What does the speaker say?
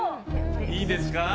いいですか？